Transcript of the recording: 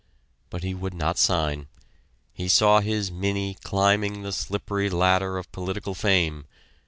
But he would not sign. He saw his "Minnie" climbing the slippery ladder of political fame.